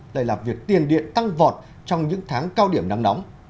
đây là việc tiền điện tăng vọt trong những tháng cao điểm nắng nóng